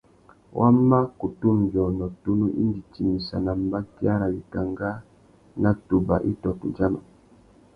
Wa má kutu nʼbiônô tunu indi timissana mbakia râ wikangá nà tubà itô tudjaman.